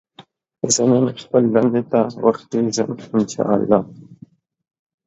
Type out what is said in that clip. زه نن خپلې دندې ته وختي ځم ان شاءالله